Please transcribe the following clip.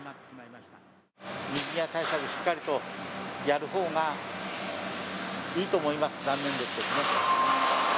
水際対策をしっかりとやるほうがいいと思います、残念ですけどね。